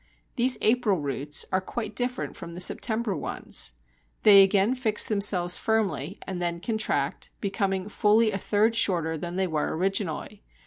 These April roots are quite different from the September ones. They again fix themselves firmly and then contract, becoming fully a third shorter than they were originally.